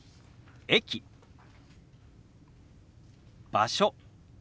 「場所」。